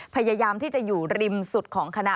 พยายามที่จะอยู่ริมสุดของคณะ